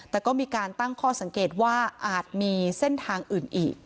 แต่ก็มีการตั้งข้อสังเกตว่าอาจมีเส้นทางอื่นอีก